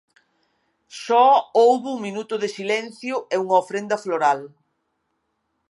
Só houbo un minuto de silencio e unha ofrenda floral.